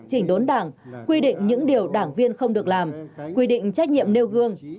chỉnh đốn đảng quy định những điều đảng viên không được làm quy định trách nhiệm nêu gương